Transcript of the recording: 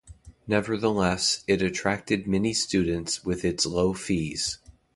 Nevertheless, it attracted many students with its low fees.